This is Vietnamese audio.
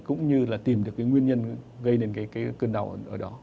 cũng như là tìm được cái nguyên nhân gây nên cái cơn đau ở đó